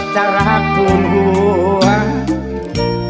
จะรักทูลภูมิหัว